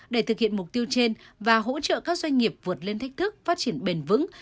để thực hiện mục tiêu trên và hỗ trợ các doanh nghiệp vượt lên thách thức phát triển bền vững